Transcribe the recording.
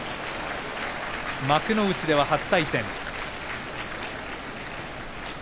幕内では初対戦。